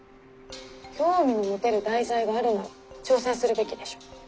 興味の持てる題材があるなら挑戦するべきでしょ。